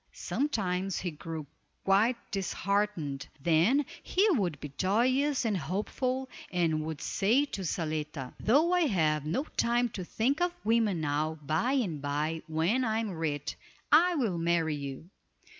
Sometimes he grew quite disheartened, then he would be joyous and hopeful, and would say to Zaletta: "Though I have no time to think of women now, by and by, when I am rich, I will marry you."